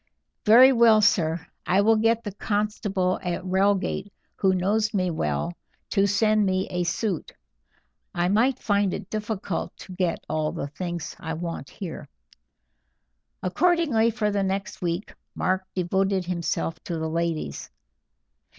"Very well, sir, I will get the constable at Reigate, who knows me well, to send me a suit. I might find it difficult to get all the things I want here." Accordingly, for the next week Mark devoted himself to the ladies.